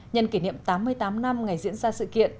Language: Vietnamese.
nhân kỷ niệm tám mươi tám năm ngày diễn ra sự kiện